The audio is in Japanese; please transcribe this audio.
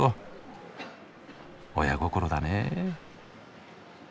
「親心」だね。